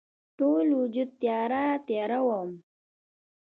ټول وجود تیاره، تیاره وم